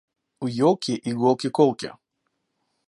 У елки иголки колки.